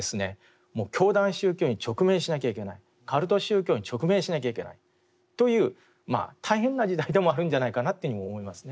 もう教団宗教に直面しなきゃいけないカルト宗教に直面しなきゃいけないというまあ大変な時代でもあるんじゃないかなというふうにも思いますね。